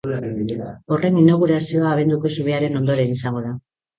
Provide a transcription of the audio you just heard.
Horren inaugurazioa abenduko zubiaren ondoren izango da.